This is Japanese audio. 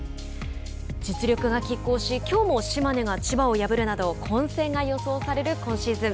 実力がきっ抗しきょうも島根が千葉を破るなど混戦が予想される今シーズン。